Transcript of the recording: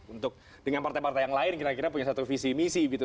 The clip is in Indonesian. untuk dengan partai partai yang lain kira kira punya satu visi misi gitu